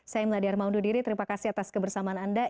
saya meladya armando diri terima kasih atas kebersamaan anda